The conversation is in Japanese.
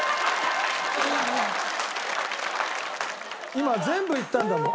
今全部言ったんだもん。